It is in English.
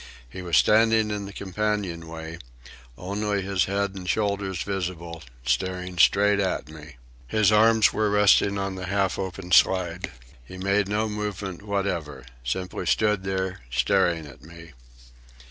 He was standing in the companion way, only his head and shoulders visible, staring straight at me. His arms were resting on the half open slide. He made no movement whatever—simply stood there, staring at me.